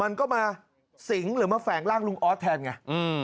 มันก็มาสิงหรือมาแฝงร่างลุงออสแทนไง